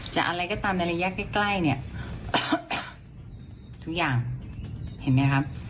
อะไรก็ตามในระยะใกล้ใกล้เนี่ยทุกอย่างเห็นไหมครับ